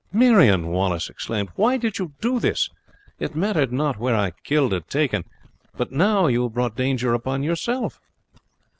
"Marion," Wallace exclaimed, "why did you do this? It mattered not were I killed or taken; but now you have brought danger upon yourself."